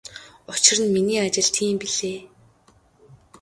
Учир нь миний ажил тийм билээ.